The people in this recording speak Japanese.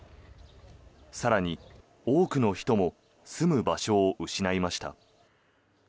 更に、多くの人も住む場所を失いました。